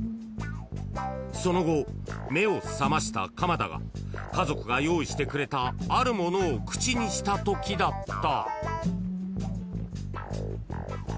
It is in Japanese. ［その後目を覚ました鎌田が家族が用意してくれたあるものを口にしたときだった］